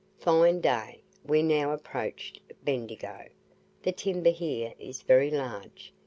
Fine day; we now approached Bendigo. The timber here is very large.